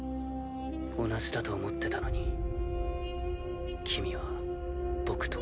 同じだと思ってたのに君は僕と。